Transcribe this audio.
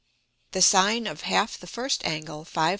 The Sine of half the first Angle 5262.